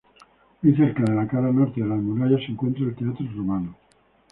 Muy cerca de la cara norte de las murallas se encuentra el teatro romano.